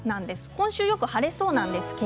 今週はよく晴れそうです。